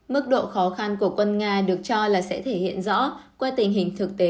mức độ khó khăn của quân nga được cho là sẽ thể hiện rõ qua tình hình thực tế